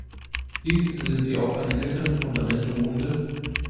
Dies sind die auf einem älteren Fundament ruhende